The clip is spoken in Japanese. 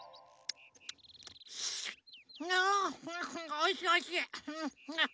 おいしいおいしい。